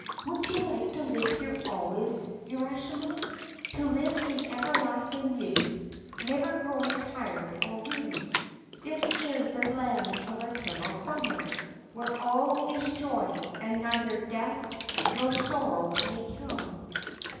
'Would you like to live here always, Urashima, to live in everlasting youth, never growing tired or weary? This is the land of eternal summer, where all is joy, and neither death nor sorrow may come.